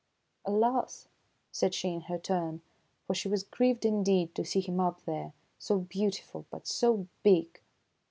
" Alas !" said she in her turn ; for she was grieved indeed to see him up there, so beautiful, but so big.